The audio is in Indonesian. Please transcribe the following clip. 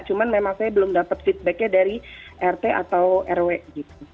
cuma memang saya belum dapat feedbacknya dari rt atau rw gitu